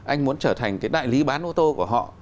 anh muốn trở thành cái đại lý bán ô tô của họ